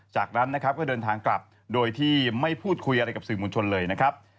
จากนั้นนะครับก็เดินทางกลับโดยที่ไม่พูดคุยอะไรกับสื่อมวลชนเลยนะครับ